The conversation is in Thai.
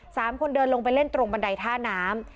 สามคนเดินลงไปเล่นตรงบันไดท่าน้ำ